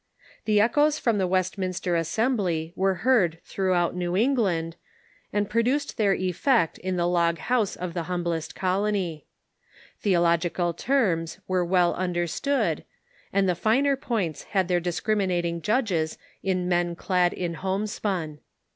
The echoes from the Westminster Assembly were heard throughout New England, and produced their effect in the log house of the hum blest colony. Theological terms were well understood, and the finer points had their discriminating judges in men clad in homespun.